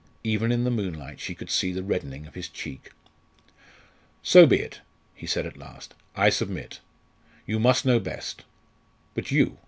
Even in the moonlight she could see the reddening of his cheek. "So be it," he said at last. "I submit. You must know best. But you?